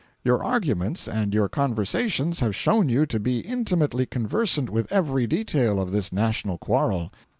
Your arguments and your conversations have shown you to be intimately conversant with every detail of this national quarrel.